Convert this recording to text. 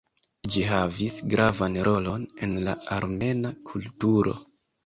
Ĝi havis gravan rolon en la armena kulturo.